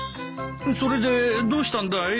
それでどうしたんだい？